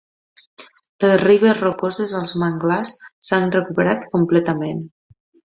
Les ribes rocoses i els manglars s'han recuperat completament.